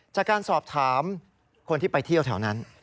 จากการสอบถามคนที่ไปเที่ยวแถวนั้น